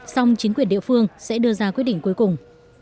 song chính quyền địa phương sẽ đưa ra quyết định cuối cùng